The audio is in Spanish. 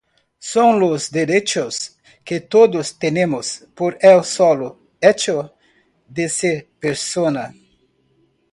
Son los derechos que todos tenemos, por el solo hecho de ser persona.